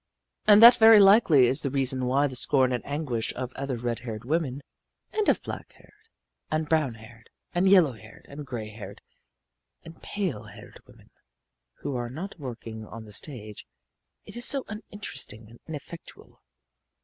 And that very likely is the reason why the scorn and anguish of other red haired women and of black haired, and brown haired, and yellow haired, and gray haired, and pale haired women, who are not working on the stage is so uninteresting and ineffectual.